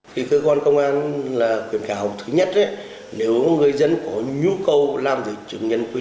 thì cơ quan công an là quyền khả học thứ nhất đấy nếu người dân có nhu cầu làm gì chứng nhận quyền